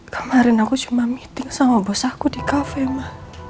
kemarin aku cuma meeting sama bos aku di kafe mah